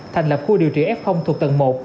thành lập khu điều trị f thuộc tầng một